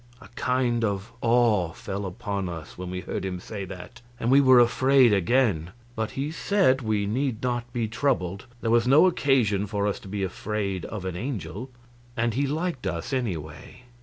A kind of awe fell upon us when we heard him say that, and we were afraid again; but he said we need not be troubled, there was no occasion for us to be afraid of an angel, and he liked us, anyway.